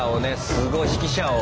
すごい指揮者を。